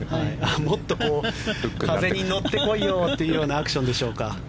もっと風に乗ってこいよというようなアクションでしょうか。